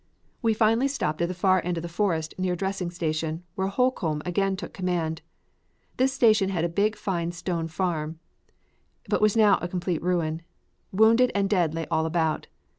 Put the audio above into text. We finally stopped at the far end of the forest near a dressing station, where Holcomb again took command. This station had been a big fine stone farm but was now a complete ruin wounded and dead lay all about.